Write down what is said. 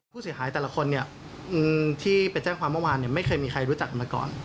ผู้เสียหายแต่ละคนเนี่ยที่ไปแจ้งความว่างไม่เคยมีใครรู้จักกันมาก่อน